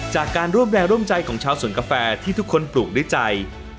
จากการร่วมแรงร่วมใจของชาวสวนกาแฟที่ทุกคนปลูกด้วยใจ